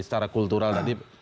secara kultural tadi